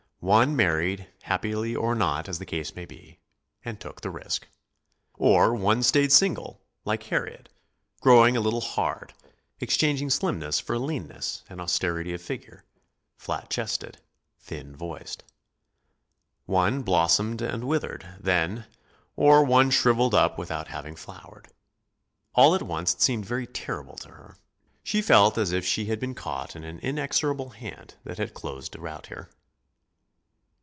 One married, happily or not as the case might be, and took the risk. Or one stayed single, like Harriet, growing a little hard, exchanging slimness for leanness and austerity of figure, flat chested, thin voiced. One blossomed and withered, then, or one shriveled up without having flowered. All at once it seemed very terrible to her. She felt as if she had been caught in an inexorable hand that had closed about her.